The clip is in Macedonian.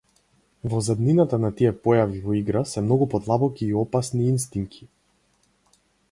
Во заднината на тие појави во игра се многу подлабоки и опасни инстинки!